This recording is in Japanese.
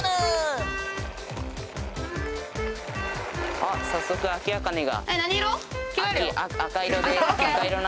あっ早速アキアカネが。